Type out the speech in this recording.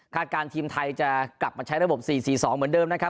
การทีมไทยจะกลับมาใช้ระบบ๔๔๒เหมือนเดิมนะครับ